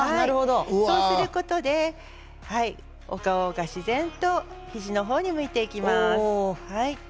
そうすることでお顔が自然と肘の方に向いていきます。